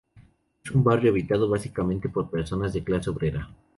Es un barrio habitado básicamente por personas de clase obrera.